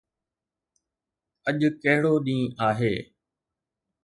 اڄ ڪهڙو ڏينهن آهي؟